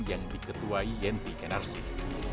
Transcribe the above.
yang diketuai yenti kenarsih